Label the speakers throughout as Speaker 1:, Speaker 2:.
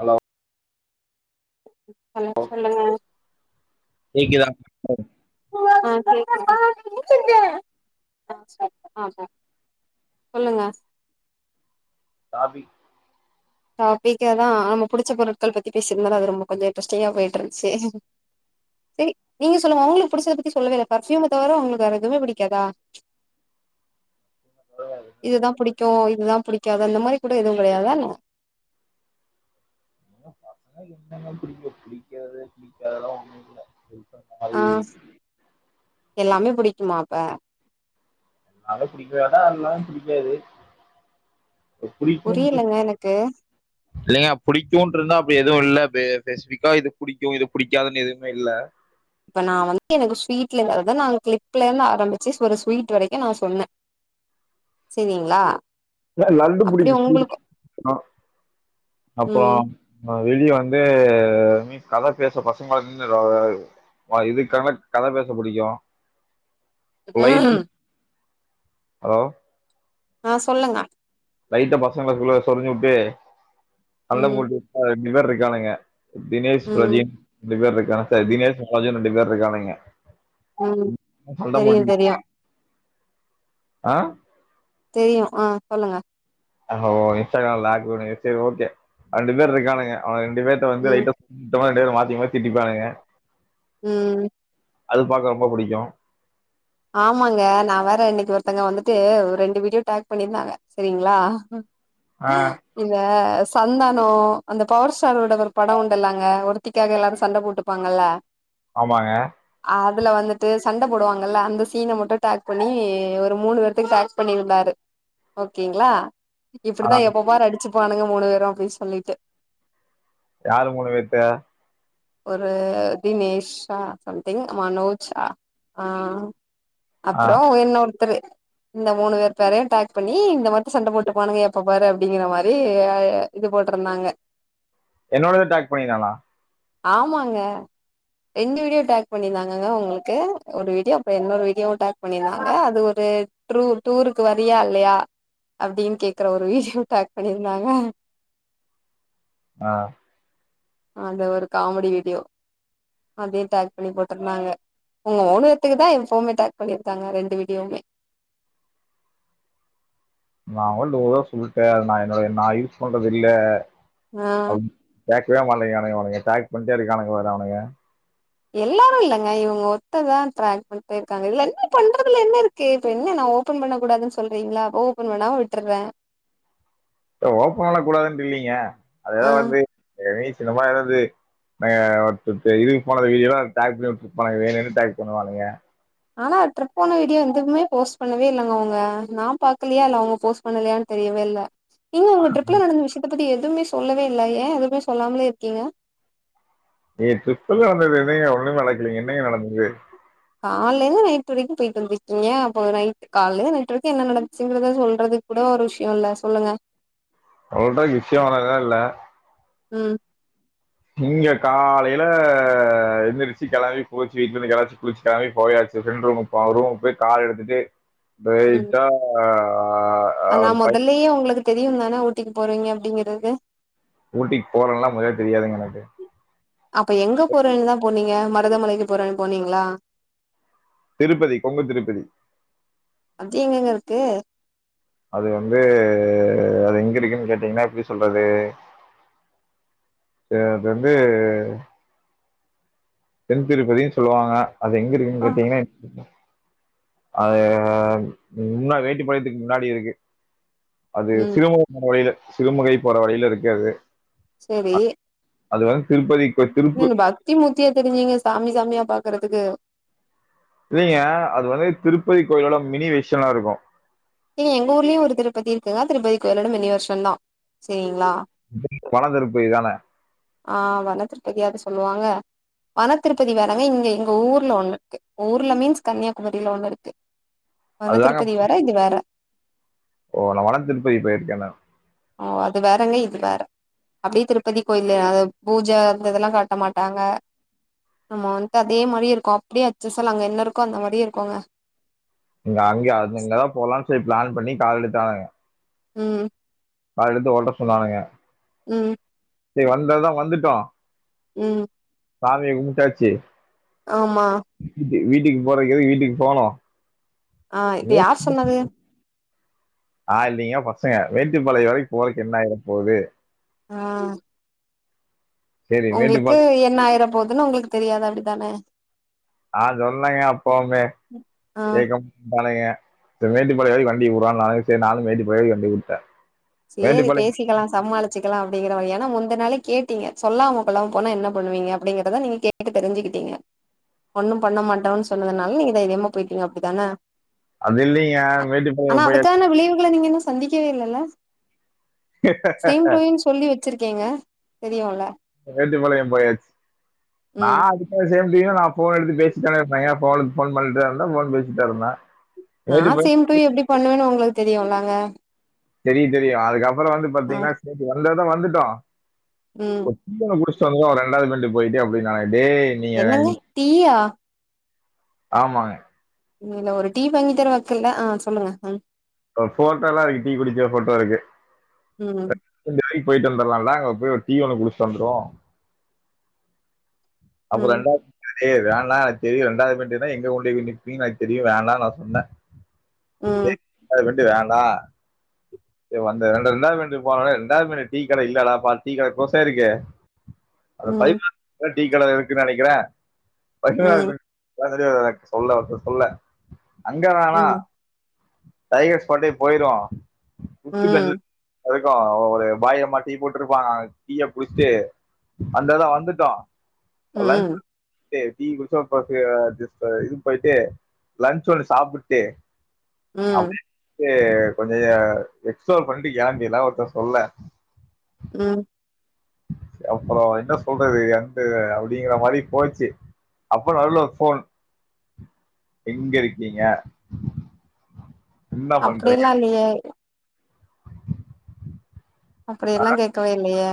Speaker 1: Allow
Speaker 2: hello சொல்லுங்க
Speaker 1: கேக்கிதா [unintelligible]
Speaker 2: ஆ கேக்குது ஆ சொல்லுங்க
Speaker 1: [unintelligible]
Speaker 2: டாபிக்க தா நம்ம புடிச்ச பொருட்கள் பத்தி பேசறதுனால அது ரொம்ப கொஞ்ச இன்ட்ரெஸ்டிங்கா போயிட்டு இருந்துச்சு செரி நீங்க சொல்லுங்க ஒங்களுக்கு புடிச்சத பத்தி சொல்லவே இல்ல பர்ஃபுயூம தவர உங்களுக்கு வேற எதுமே பிடிக்காதா
Speaker 1: என்ன
Speaker 2: இதுதான்
Speaker 1: பிடிக்காது
Speaker 2: புடிக்கு இதுதான் புடிக்காது அந்த மாரி கூட எதுவு கெடையாதா என்ன
Speaker 1: என்னல்லாம் புடிக்கு அப்டி
Speaker 2: ஆ
Speaker 1: [unintelligible]
Speaker 2: எல்லாமே புடிக்குமா அப்ப
Speaker 1: நாலும் புடிக்க வேடா அதல்லாம் புடிக்காது
Speaker 2: புரியலங்க எனக்கு
Speaker 1: இல்லங்க புடிக்குன்ருந்தா அப்டி எதுவு இல்ல பெ பெசிவிக்கா இது புடிக்கு இது புடிக்காதுன்னு எதுவுமே இல்ல
Speaker 2: இப்ப நா வந்து எனக்கு ஸ்வீட்லங்கறத நான் கிளிப்ல இருந்து ஆரம்பிச்சு ஒரு ஸ்வீட் வரைக்கு நான் சொன்ன செரிங்ளா
Speaker 1: ல லட்டு புடிக்கு ஸ்வீட் அ அப்பறோ
Speaker 2: ம்
Speaker 1: வெளியே வந்து கத பேச பசங்க [unintelligible] [unintelligible] கத பேச புடிக்கூ
Speaker 2: ம்
Speaker 1: ஹலோ
Speaker 2: ஆ சொல்லுங்க
Speaker 1: லைட்ட பசங்கள குல்ல சொறிஞ்சு உட்டு
Speaker 2: ம்
Speaker 1: [unintelligible] ரெண்டு பேர் இருக்கானுங்க தினேஷ்
Speaker 2: ம்
Speaker 1: பிரஜீன் ரெண்டு பேர் இருக்கானங்க சார் தினேஷ் ராஜு ரெண்டு பேர் இருக்கானுங்க
Speaker 2: ம்
Speaker 1: நல்ல
Speaker 2: தெரியு
Speaker 1: மோட்டிவ்
Speaker 2: தெரியு
Speaker 1: ஆ
Speaker 2: தெரியும் ஆ சொல்லுங்க
Speaker 1: அஹ ஓ இன்ஸ்டாகிராம்ல [unintelligible] சரி ஓகே ரெண்டு பேர் இருக்கானுங்க அவ ரெண்டு பேர்ட வந்து
Speaker 2: ம்
Speaker 1: லைட்டா [unintelligible] மாத்தி மாத்தி டிப்பானுங்க
Speaker 2: ம்
Speaker 1: அது பாக்க ரொம்ப புடிக்கும்
Speaker 2: ஆமாங்க நா வேற இன்னைக்கு ஒருத்தங்க வந்துட்டு ரெண்டு வீடியோ டேக் பண்ணிருந்தாங்க செரிங்ளா
Speaker 1: ஆ
Speaker 2: [unintelligible] சந்தானோ அந்த பவர் ஸ்டாரோட ஒரு படோ உண்டுல்லங்க ஒருத்திக்காக எல்லாரு சண்ட போட்டுப்பாங்கல்ல
Speaker 1: ஆமாங்க
Speaker 2: அதுல வந்துட்டு சண்ட போடுவாங் கல்ல அந்த சீன மட்டு டேக் பண்ணி ஒரு மூணு பேத்துக்கு டேக் பண்ணிருந்தாரு ஓகேங்ளா
Speaker 1: ஆ
Speaker 2: இப்படித்தா எப்பாரு அடிச்சுப் பானுங்க மூணு பேரு அப்டின் சொல்லிட்டு
Speaker 1: யாரு மூணு பேத்த
Speaker 2: ஒரு தினேஷ்ஷா சம்திங் மனோஜ்ஷா அ
Speaker 1: ஆ
Speaker 2: அப்பறோ இன்னோர்த்தரு இந்த மூணு பேர் பேரையு டேக் பண்ணி இந்த மாத்தா சண்ட போட்டு போவனுங்க எப்ப பாரு அப்டிங்கிற மாதிரி அ இது போ ட்டுருந்தாங்க
Speaker 1: என்னோடத டேக் பண்ணினானா
Speaker 2: ஆமாங்க ரெண்டு வீடியோ டேக் பண்ணிர்ந்தாங்கங்க உங்களுக்கு ஒரு வீடியோ அப்ற இன்னொரு வீடியோ டேக் பண்ணியிருந்தாங்க அது ஒ ரு ட்ரூ டூருக்கு வரியா இல்லையா அப்டீன் கேக்குற ஒரு வீடியோ டேக் பண்ணியிருந்தாங்க
Speaker 1: அ
Speaker 2: அந்த ஒரு காமடி வீடியோ அதயு டேக் பண்ணி போட்டுர்ந்தாங்க உங்க மூணுபேத்துக்கு தா எப்ஃபோமே டேக் பண்ணிருக்காங்க ரெண்டு வீடியோவுமே
Speaker 1: நா அவன்ட கூட சொல்டே அது நா என்னோடய நா யூஸ் பன்றது இல்ல
Speaker 2: அ
Speaker 1: கேக்வே மாட்டைங்றான்ங்க இவனுங்க டேக் பண்டே இருக்கானுங் பாரு அவனுங்க
Speaker 2: எல்லாரு இல்லங்க இவுங் ஒர்த்ததா டேக் பண்ட்டே இருக்காங்க இத்லென்ன பண்றதுல என்ன இருக்கு இப்ப என்ன நா ஓபன் பண்ண கூடாதுன் சொல்றீங்ளா ஓபன் பண்ணாம விட்டுற்ற
Speaker 1: ப்ப ஓப்பன்லா கூடாதுன்ட் இல்லிங்க அது
Speaker 2: ஆ
Speaker 1: எதா வர்து [unintelligible] சிங்கமா எதாவ்து இன்னாங்கா இதுவா ஒரு ட்ரிப்பு இதுக்கு போனத வீடியோல பண்ணி வுட்டுருப்பானுங்க வேணும்ன்னு டேக் பண்ணுவானுங்க
Speaker 2: ஆனா ட்ரிப் போன வீடியோ எதுவுமே போஸ்ட் பண்ணவே இல்லங்க அவுங்க நா பாக்கலியா இல்ல அவுங்க போஸ்ட் பண்ணலயான் தெ தேவ இல்ல ஏங்க உங்க ட்ரிப்ல நடந்த விஷ்யத்த பத்தி எதுவுமே சொல்லவே இல்ல ஏ எதுவ்மே சொல்லாம்லே இருக்கீங்க
Speaker 1: ஏ ட்ரிப்ல நடந்தது என்னங்க ஒண்ணு நடக்லீங்க என்னங்க நடந்தது
Speaker 2: காலேந்து நைட் வரைக்கு போய்ட் வந்துருக்கீங்க அப்போ நைட் காலேந்து நைட் வரைக்கு என்ன நடச்சுங்கிறத சொல்றதுக் கூட ஒரு விஷ்யோ இல்ல சொல்லுங்க
Speaker 1: [unintelligible] இல்ல
Speaker 2: ம்
Speaker 1: இங்க காலையில எந்திரிருச்சி கெளம்பி குளிச்சி [unintelligible] குளிச்சிட்டு கெளம்பி போயாச் [unintelligible] போய் கார் எடுத்துட்டு
Speaker 2: ம்
Speaker 1: [unintelligible] அ
Speaker 2: ஆனா
Speaker 1: ஒரு பை
Speaker 2: மொதல்லேயே உங்களுக்கு தெரியுந்தான ஊட்டிக்கு போறவீங்க அப்டிங்கிறது
Speaker 1: ஊட்டிக்கு போறேன்லா மொதல்ல தெரியாதுங்க எனக்கு.
Speaker 2: அப்ப எங்க போறன்தா போனீங்க மருதமலைக்கு போறேன் போனீங்ளா
Speaker 1: திருப்பதி கொங்கு திருப்பதி
Speaker 2: கு
Speaker 1: அது வந்து அது எங்க இருக்குன் கேட்டீங்ன்னா எப்டி சொல்றது து அது வந்து தென் திருப்பதின் சொல்லுவாங்க அது எங்க இருக்குன்
Speaker 2: ஆ
Speaker 1: கேட்டீங்ன்னா அது முன்னா வேட்டி பழையத்துக்கு முன்னாடி இருக்கு அது
Speaker 2: ம்
Speaker 1: சிறுமுகை போற வழியில சிறுமுகை போற வழியில இருக்கது திருப்பதி கோ திருப்பு
Speaker 2: ஏங்க பக்தி முத்தியா திரிஞ்சீங்க சாமி சாமியா பாக்குறதுக்கு
Speaker 1: இல்லைங்க அது வந்து திருப்பதி கோயிலோட மினி வேஷனா இருக்கு
Speaker 2: ஏங்க எங்க ஊர்லியு ஒரு திருப்பதி இருக்குங்க திருப்பதி கோயிலோட மினிவர்ஷன் தா செரிங்ளா
Speaker 1: கொளந்திருப்பதி தான
Speaker 2: ஆ வனத்திருப்பதியா அது சொல்லுவாங்க வனத்திருப்பதி வேறங்க இங்க எங்க ஊர்ல ஒண்ணு இருக்கு ஊர்ல மீன்ஸ் கன்னியாகுமரியில ஒண்ணு இருக்கு வன
Speaker 1: அதுதாங்க
Speaker 2: திருப்பதி வேற இது வேற
Speaker 1: ஓ நா வனதிருப்பதி போயிருக்கே நா
Speaker 2: ஓ அது வேறங்க இது வேற அப்டியே திருப்பதி கோயில்லு அது பூஜ அந்த இதெல்லா காட்ட மாட்டாங்க நம்ம வந்து அதே மாரி இருக்கு அப்டியே அச்ச அசல் அங்க என்ன இருக்கோ அந்த மாரியே இருக்கோங்க
Speaker 1: இங்க அங்கயு அது இங்கதா போலானு செரி பிளான் பண்ணி கார் எடுத்தாங்க
Speaker 2: ம்
Speaker 1: கார் எடுத்து ஓட்ட சொன்னானுங்க
Speaker 2: ம்
Speaker 1: சரி வந்ததுதா வந்துட்டோ
Speaker 2: ம்
Speaker 1: சாமிய கும்டாச்சி
Speaker 2: ஆமா
Speaker 1: வீட்டுக்கு போறதுக்கெதுக்கு வீட்டுக்கு போனோ
Speaker 2: ஆ இது யார் சொன்னது
Speaker 1: ஆஹ் இல்லைங்க பசங்க மேட்டுப்பாளயோ வரைக்கு போய்ட்டு என்னாகப் போது
Speaker 2: ஆஹ்
Speaker 1: சரி
Speaker 2: உங்களுக்கு
Speaker 1: மேட்டுப்பாளையம்
Speaker 2: என்ன ஆயிர போதுன்னு உங்களுக்கு தெரியாது அப்டிதான
Speaker 1: ஆஹ் சொன்னாங்க அப்போவுமே
Speaker 2: ஆ
Speaker 1: கேக்கமாட்டானுங்க செரி மேட்டுபாளையோ வரைக்கு வண்டிய உடுறனானுங்க செரி நானு மேட்டுபாளையோ வண்டி வுட்ட
Speaker 2: சேரி பேசிக்கலா சமாளிச்சிக்கலா அப்டிங்கிற ஏன்னா முந்த நாளே கேட் டீங்க சொல்லாம கொள்ளாம போனா என்ன பண்ணுவீங்க அப்டிங்கறத நீங்க கேட்டு தெரிஞ்சுக்கிட்டீங்க ஒண்ணும் பண்ண மாட்டோன்னு சொன்னதுனால நீங்க தைரியமா போய்ட்டீங்க அப்டிதான
Speaker 1: அது இல்லைங்க
Speaker 2: அ ஆனா
Speaker 1: மேட்டுப்பாளையம் போயாச்சு
Speaker 2: அதுக்கான விளைவுகள நீங்க இன்னு சந்திக்கவே இல்லல்ல சேம் டூ யூன் சொல்லி வெச்சிருக்கீங்க தெரியுல்ல
Speaker 1: மேட்டுபாளயோ போயாச்சு நா
Speaker 2: ம்
Speaker 1: அதுக்கா சேம் அப்பயு நா ஃபோன் எடுத்து பேசித்தான இருப்ப என் ஃபோனுக் ஃபோன் பண்றானா ஃபோன் பேசிட் தா இருந்த
Speaker 2: நா சேம் டு யூ எப்டி பண்ணுவேன்னு உங்களுக்கு தெரியுல்லங்க
Speaker 1: தெரியுந் தெரியு அதுக்கப்பறோ வந்து
Speaker 2: ஆ
Speaker 1: பாத்தீங்கன்னா சேரி வந்தது தா வந்துட்டோ [unintelligible] [unintelligible]
Speaker 2: ம்
Speaker 1: ஒரு ரெண்டாவது பெண்டு போய்ட்டு அப்டின்னாங்க டேய் நீங்க
Speaker 2: என்னங்க டீயா
Speaker 1: ஆமாங்க
Speaker 2: இல்ல ஒரு டீ வாங்கி தர வக்கில்ல ஆஹ் சொல்லுங்க ஹ்ம்
Speaker 1: ஃபோட்டோலா இருக்கு டீ குடிச்ச ஃபோட்டோ இருக்கு
Speaker 2: ம்
Speaker 1: போய்ட்டந்தர்லால்ல அங்க போய் ஒரு டீ ஒன்னு குடுச்சுட்டந்துருவோ அப்ப
Speaker 2: ம்
Speaker 1: ரெண்டா ஏ வேண்டா எனக் தெரியு ரெண்டாவது பென்டுனா எங்க கொன்டோய் நிப்பீங் எனக் தெரியு வேண்டா நா சொன்ன
Speaker 2: ம்
Speaker 1: சே [inaudible] சே வந்த [unintelligible] ரெண்டா பென்டு டீ கட இல்லடா பா டீ கட க்ளாஸாயிருகு அது
Speaker 2: ம்
Speaker 1: பதினொன் தா டீக்கட இருக்கு நெனக்கிறே [inaudible]
Speaker 2: ம்
Speaker 1: சரி எனக்கு சொல்ல சொல்ல அங்க தானா
Speaker 2: ம் ம்
Speaker 1: டைகர் ஸ்பாட்டே போயிரோ
Speaker 2: ம்
Speaker 1: அதுக்கு ஒரு பாயம்மா டீ போட்ருப்பாங்க டீய குடிச்சுட்டு அந்தெடோ வந்துட்டோ
Speaker 2: ம்
Speaker 1: டே டீ குடிச்சு ஒரு [unintelligible] இது போய்ட்டு லன்ச்சு ஒண்ணு சாப்புட்டு
Speaker 2: ம்
Speaker 1: டு கொஞ்ச எ எக்ஸ்ப்ளோர் பண்ட்டு கெம்பீர்லா ஒருத்த சொல்ல
Speaker 2: ம்
Speaker 1: அப்பறோ என்ன சொல்றது என்ட்டு அப்டிங்கிற மாரி போச்சு அப்ப நடுல ஒரு ஃபோன் எங்க இருக்கீங்க என்ன
Speaker 2: அப்டி
Speaker 1: பண்றீங்க
Speaker 2: எல்லா இல்லியே அப்டி எல்லா கேட்கவே இல்லயே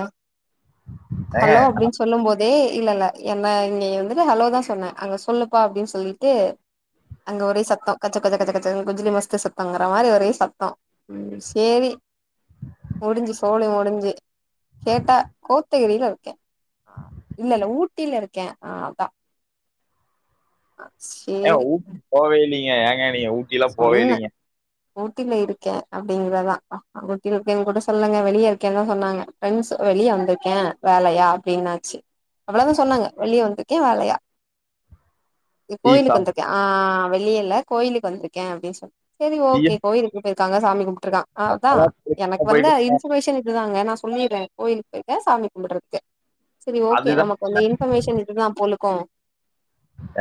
Speaker 1: ஏங்க
Speaker 2: ஹலோ
Speaker 1: நான்
Speaker 2: அப்டின் சொல்லம்போது இல்ல இல்ல எல்லா இங்க வந்துட்டு ஹலோதா சொன்ன அங்க சொல்லுப்பா அப்டின் சொல்லிட்டு அங்க ஒரே சத்சோ கச்ச கச்ச கச்ச கஜ னு குஜ்லி மஸ்து சத்தம்ங்குற மாரி ஒரே சத்சோ சேரி முடிஞ்சு சோலி முடிஞ்சு கேட்டா கோத்தகிரில இருக்கே இல்ல இல்ல ஊட்டில இருக்கே அ அதா
Speaker 1: ஏங்க
Speaker 2: சேரி
Speaker 1: ஊட்டி போவே இல்லைங்க ஏங்க நீங்க ஊட்டி எல்லா போவே
Speaker 2: சொன்னே
Speaker 1: இல்லைங்க
Speaker 2: ஊட்டில இருக்கே அப்படிங்கிறதா ஊட்டில இருக்கேன் கூட சொல்லலங்க வெளிய இருக்கேன்தா சொன்னாங்க ஃப்ரெண்ட்ஸ் வெளிய வந்திருக்கே வேலையா அப்படின்னாச்சு அவ்ளதா சொன்னாங்க வெளிய வந்திருக்கே வேலையா
Speaker 1: டீ
Speaker 2: கோயிலுக்கு
Speaker 1: சாப்
Speaker 2: வந்திருக்கே ஆ வெளியல்ல கோயிலுக்கு வந்திருக்கே அப்டின் சொன்னா சரி
Speaker 1: டீ
Speaker 2: ஓகே கோயிலுக்கு இருக்காங்க சாமி கும்பிட்ருக்கா அ அதா
Speaker 1: அப்பெல்லாம்
Speaker 2: எனக்கு
Speaker 1: திரும்ப
Speaker 2: வந்த
Speaker 1: போயிட்டு
Speaker 2: இன்ஃபர்மேஷன் இதுதாங்க நா சொல்லிர்றே கோயிலுக்கு போயிருக்கா சாமி கும்படுறதுக்கு சரி ஓகே
Speaker 1: அதுதான்
Speaker 2: நமக்கு வந்த இன்ஃபர்மேஷன் இதுதா போலுக்கு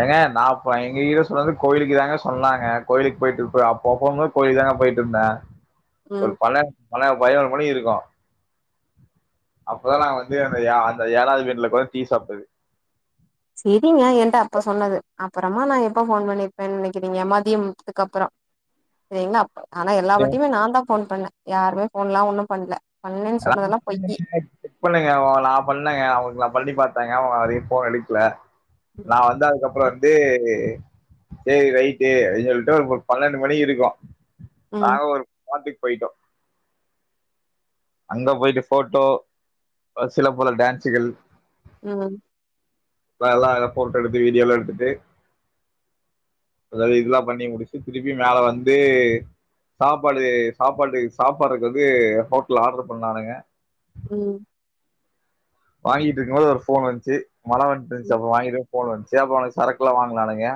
Speaker 1: ஏங்க நா ப எங்க கிட்ட சொன்னது கோயிலுக்கு தாங்க சொன்னாங்க கோயிலுக்கு போய்ட்டு அப்பவு கோயிலுக் குதாங்க போயிட்ருந்தே ஒரு
Speaker 2: ம்
Speaker 1: பன பன பதனோரு மணி இருக்கு அப்பதா நா வந்து அந்த அந்த ஏழாவது வீட்ல உக்காந்து டீ சாப்ட்டது
Speaker 2: செரிங்க என்ட்ட அப்ப சொன்னது அப்பறமா நா எப்ப ஃபோன் பண்ணிருப்பேன் நெனைக்கிறிங்க மதியத்துக்கு அப்பறோ ஏங்க அப் ஆனா எல்லா வாட்டியுமே நாந்தா ஃபோன் பண்ணே யாருமே ஃபோன்லா ஒன்னு பண்ல
Speaker 1: [inaudible]
Speaker 2: பண்ணேன்னு சொன்னதெல்லா பொய்யி
Speaker 1: செக் பண்ணுங்க உங்ளுக் நா பண்ணேங்க அவங்ளுக்கு நா பண்ணி பாத் தங்க அவங்க வரையு ஃபோன் எடுக்கல நா வந்து அதுக்கப்புற வந்து சேரி ரைட்டு அப்டின் சொல்ட்டு ஒரு பன்னெண்டு மணி இருக்கு
Speaker 2: ம்
Speaker 1: நாங்க ஒரு படத்துக் போய்ட்டோ அங்க போயிட்டு ஃபோட்டோ சில பல டான்ஸுகள்
Speaker 2: நா வந்
Speaker 1: அத எல்லா ஃபோட்டோ எடுத்து வீடியோல்லா எடுத்துட்டு அதா இதுலா பண்ணி முடிச்சு திருப்பி மேல வந்து சாப்பாடு சாப்பாடு சாப்பாடுக்கு வந்து ஹோட்டல்ல ஆர்டரு பண்ணானுக
Speaker 2: ம்
Speaker 1: வாங்கிட்டு இருக்கும்போது ஒரு ஃபோன் வந்துச்சு மழை வந்துட்டு இருந்துச்சு அப்ப வாங்கிட் ஃபோன்வந்ச்சு அப்ரோ அவனுக சரக்குல்லா வாங்னானுங்க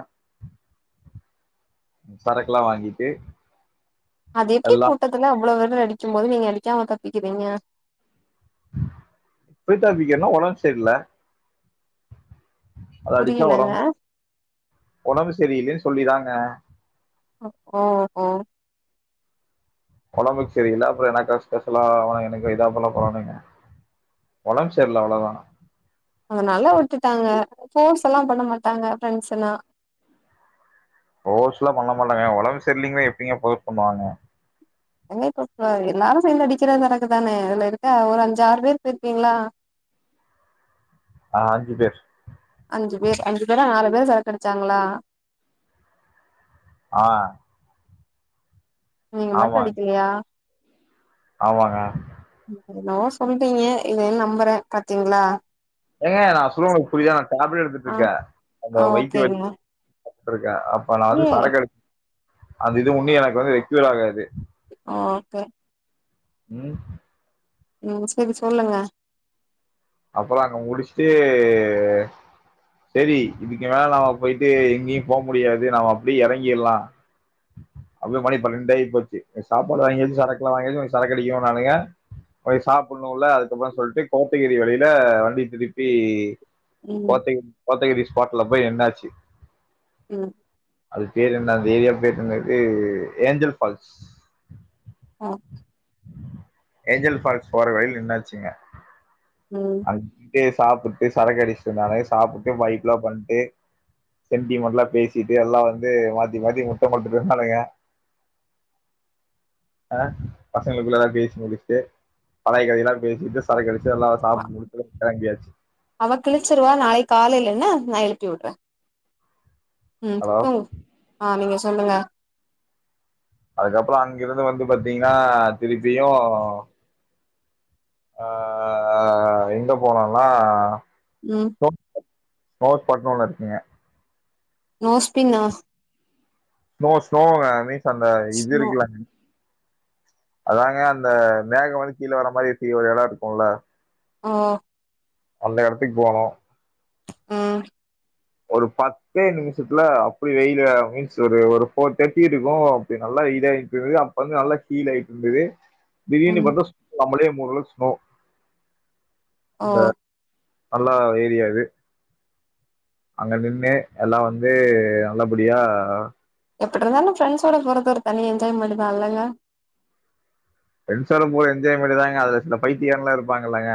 Speaker 1: சரக்குலா வாங்கிட்டு
Speaker 2: அது எப்டி
Speaker 1: எல்லா
Speaker 2: கூட்டத்துல அவ்ளோ வேதர் அடிக்கும்போது நீங்க அடிக்காம தப்பிக்கிறீங்க
Speaker 1: அதுக் என்ன ஒலம் செரில அத அடிச்சா
Speaker 2: புரியலங்க
Speaker 1: உலம்ப உடம்பு சரியில்லேன்னு சொல்லிராங்க
Speaker 2: ஓ ஓ
Speaker 1: கொழம்புக் சரியில்ல அப்றோ எனக்கா ஸ்பெஷலான எனக்க எத பண்ண போறாங்க ஒலம் செரில அவ்ளோதா
Speaker 2: அதனால விட்டுட்டாங்க போர்ஸ் எல்லா பண்ண மாட்டாங்க ஃப்ரெண்ஸுனா
Speaker 1: போர்ஸுலா பண்ண மாட்டாங்க ஒடம் செர்லிங்கனா எப்டிங்க போர்சலா பண்ணுவாங்க
Speaker 2: என்னப்ப எல்லாரு சேந்து அடிக்கிற சரக்கு தான இதுல இருக்க ஒரு அஞ்சாறு பேர் போயிருக்கீங்ளா
Speaker 1: அ அஞ்சு பேர்
Speaker 2: அஞ்சு பேர் அஞ்சு பேரா நாலு பேர் சரக்கு அடிச்சாங்ளா
Speaker 1: அ
Speaker 2: நீங்க மட்டு அடிக்கிலியா
Speaker 1: ஆமாங்க
Speaker 2: என்னவோ சொல்றீங்க இதையு நம்புற பாத்தீங்ளா
Speaker 1: ஏங்க நா சொல்ல உங்களுக்கு புரியுதா நா டேப்லெட்
Speaker 2: ஆ
Speaker 1: எடுத்துட்ருக்கே அந்த
Speaker 2: ஆ
Speaker 1: வயித்து வலி
Speaker 2: ஓகேங்க
Speaker 1: அப்ப நா
Speaker 2: ஏ
Speaker 1: வந்து சரக்கு எடுக் அந்த இது உண்ணு எனக்கு வந்து க்யூர் ஆகாது
Speaker 2: ஆ ஓகே
Speaker 1: ம்
Speaker 2: ம் சரி சொல்லுங்க
Speaker 1: அப்புற அங்க முடிச்ட்டு செரி இதுக்கு மேல நாம போயிட்டு எங்கேயும் போ முடியாது நாம அப்டியே ஏறங்கிர்லா அப்டியே மணி பண்ணன்டு ஆயிபோச்சு சாபாடு வாங்கியாச்சி சரக்லா வாங்கியாச்சு சரக்கு அடிக்கனுனானுங்க போய் சாப்புனுல அதுக்கப்புறம் சொல்ட்டு கோத்தகிரி வழியி ல வண்டி திருப்பி
Speaker 2: ம்
Speaker 1: கோத்தகி கோத்தகிரி ஸ்பாட்ல போய் என்டாச்சி
Speaker 2: ம்
Speaker 1: அதுக்கு பேர் என்ன அந்த ஏரியா பேர் என்னது ஏஞ்சல் ஃபால்ஸ்
Speaker 2: ஆ
Speaker 1: ஏஞ்சல் ஃபால்ஸ் போற வழில நின்னாச்சுங்க அது
Speaker 2: ம்
Speaker 1: கேஸ் சாப்புட்டு சரக்கு அடிச்சிட்டு இருந்தானுங்க சாப்புட்டு வைப்லாம் பண்ட்டு சென்டிமெண்ட்ல்லா பேசிட்டு எல்லா வந்து மாத்தி மாத்தி முத்தோ குடுத்துட்டு இருந்தானுங்க [inaudible] அ பசங்களுக்குள்ள எல்லா பேசி முடிச்சுட்டு பழய கதையெல்லாம் பேசிட்டு சரக்கடுச்சுட்டு
Speaker 2: அவ கிழிச்சிருவா நாளைக் காலையிலன நா எழுப்பி விட்ற ம்
Speaker 1: ஹலோ
Speaker 2: தூங்கு ஆ நீங்க சொல்லுங்க
Speaker 1: அதுக்கப்புறோ அங்கிருந்து வந்து பாத்தீங்ன்னா திருப்பியு ஆ எங்க போனோனா
Speaker 2: ம்
Speaker 1: நோத் பட்னோனு இருக்குங்க
Speaker 2: நோஸ்பின்னாஸ்
Speaker 1: ஸ்னோ ஸ்னோங்க மீன்ஸ் அந்த இது
Speaker 2: நோ
Speaker 1: இருக்குலங்க அதாங்க அந்த மேகவந்து கீழ வர்ர மாரி இருட்டி ஒரு எட இருக்குல
Speaker 2: ஆ
Speaker 1: அந்த எடத்துக் போனோ
Speaker 2: அ
Speaker 1: ஒரு பத்தே நிமிஷத்துல அப்டி வெயில மீன்ஸ் ஒரு ஒரு ஃபோர் தேர்ட்டி இருக்கூ அப்டி நல்லா இத ஆயிட்டு இருந்தது அப்ப வந்து நல்ல ஹீல் ஆயிட்டு இருந்தது பிரியேணி
Speaker 2: ம்
Speaker 1: பன்றோ ஸ் நம்மளே மூட்ர ளவுக்கு ஸ்னோ
Speaker 2: ஆ
Speaker 1: அந்த நல்லா ஏரியா இது அங்க நின்னு எல்லா வந்து நல்லபடியா
Speaker 2: எப்படி இருந்தாலும் ஃப்ரெண்ட்ஸோட போறது ஒரு தனி என்ஜாய்மெண்ட் தா இல்லங்க
Speaker 1: ஃப்ரெண்ட்ஸோட போறது என்ஜாய்மெண்ட் தாங்க அதுல சில பைத்தியக்காரங்களா இருப்பாங்க இல்லங்க